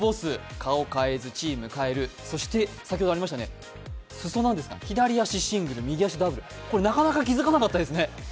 顔変えず、チーム変えるそして裾なんですが、左足シングル右足ダブル、これはなかなか気づかなかったですね。